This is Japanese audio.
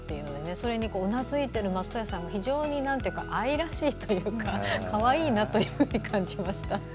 それにうなずいている松任谷さんが、非常に愛らしいというかかわいいなと感じました。